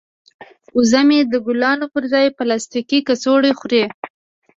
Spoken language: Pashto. وزه مې د ګلانو پر ځای پلاستیکي کڅوړې خوري.